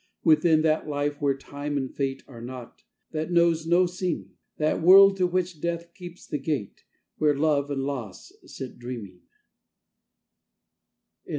Within that life where time and fate Are not; that knows no seeming: That world to which Death keeps the gate Where Love and Loss sit dreaming.